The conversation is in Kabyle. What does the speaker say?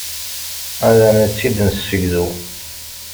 Ad am-tt-id-nessegzu.